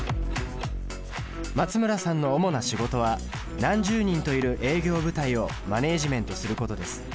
松村さんの主な仕事は何十人といる営業部隊をマネージメントすることです。